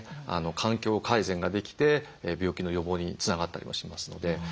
環境改善ができて病気の予防につながったりもしますので。